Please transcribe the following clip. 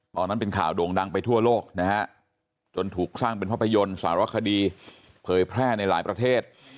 ตอนนั้นเป็นข่าวโด่งดังไปทั่วโลกนะฮะจนถูกสร้างเป็นภาพยนตร์สารคดีเผยแพร่ในหลายประเทศ